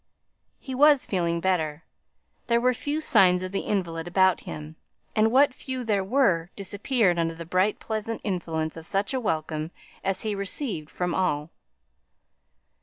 He was feeling better. There were few signs of the invalid about him; and what few there were disappeared under the bright pleasant influence of such a welcome as he received from all.